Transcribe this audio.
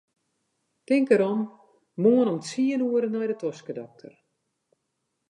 Tink derom, moarn om tsien oere nei de toskedokter.